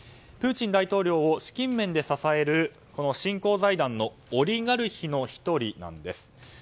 プーチン大統領を資金面で支える振興財団のオリガルヒの１人です。